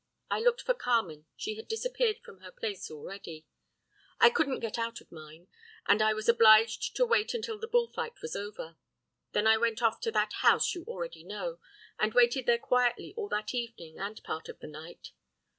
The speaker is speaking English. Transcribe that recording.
I looked for Carmen, she had disappeared from her place already. I couldn't get out of mine, and I was obliged to wait until the bull fight was over. Then I went off to that house you already know, and waited there quietly all that evening and part of the night.